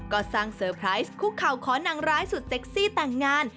ก็สร้างเซอร์ไพรส์คุกเข่าขอนางร้ายสุดเซ็กซี่แต่งงาน